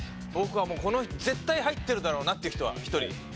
僕はもう絶対入ってるだろうなって人は１人。